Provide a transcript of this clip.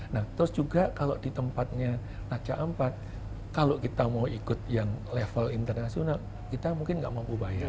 nah terus juga kalau di tempatnya raja ampat kalau kita mau ikut yang level internasional kita mungkin nggak mampu bayar